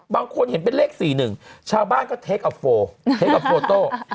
บางคนเห็นเป็นเลขสี่หนึ่งชาวบ้านก็เทคอัพโฟล์เทคอัพโฟโต้